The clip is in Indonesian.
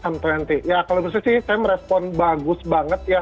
m dua puluh ya kalau misalnya sih saya merespon bagus banget ya